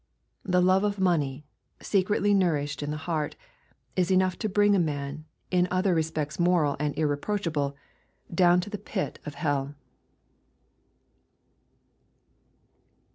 The love oT money, secretly nourished in the heart, is enough to bring a man, in other respects moral and irreproachable, down to the pit of hell.